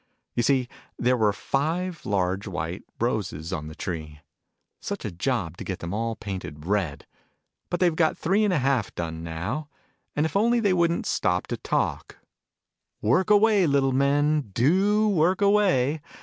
You see there were fire large white roses on the tree such a job to get them all painted red ! But they've got three and a halt done, now, and if only they wouldn't stop to talk work away, little men, do work away